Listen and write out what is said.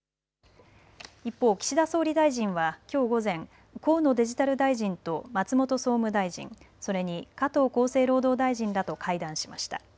一方、岸田総理大臣はきょう午前、河野デジタル大臣と松本総務大臣、それに加藤厚生労働大臣らと会談しました。